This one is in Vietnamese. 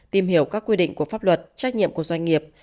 tìm hiểu các quy định của pháp luật trách nhiệm của doanh nghiệp